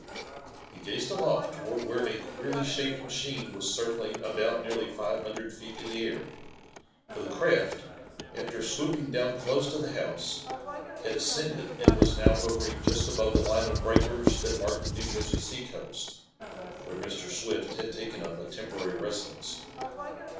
He gazed aloft toward where a queerly shaped machine was circling about nearly five hundred feet in the air, for the craft, after swooping down close to the house, had ascended and was now hovering just above the line of breakers that marked the New Jersey seacoast, where Mr. Swift had taken up a temporary residence.